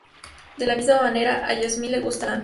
De la misma manera, a Jasmine le gusta Lan.